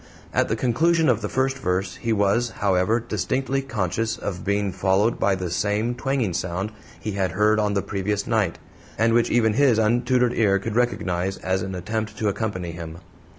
At the conclusion of the first verse he was, however, distinctly conscious of being followed by the same twanging sound he had heard on the previous night, and which even his untutored ear could recognize as an attempt to accompany him.